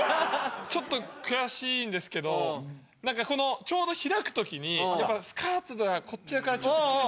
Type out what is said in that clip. ちょっと悔しいんですけどちょうど開く時にスカートがこっちからちょっと。